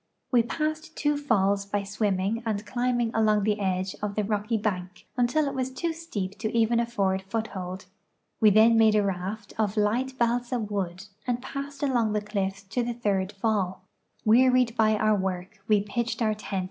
We passed two falls by swimming and climbing along the edge of the rocky bank until it was too steep to even afford foothold. We then made a raft of light balsa wood and passed along the cliffs to the third fall. Wearied by our work, we j>itched our tent